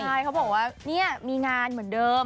ใช่เขาบอกว่านี่มีงานเหมือนเดิม